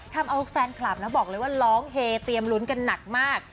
ทำเอาแฟนคลับนะบอกเลยว่าร้องเฮเตรียมลุ้นกันหนักมาก